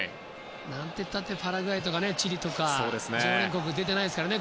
何て言ったってパラグアイとかチリとか常連国が出てないですからね